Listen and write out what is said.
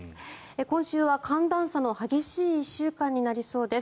今週は寒暖差の激しい１週間になりそうです。